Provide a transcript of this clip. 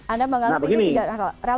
anda menganggap ini tidak relevan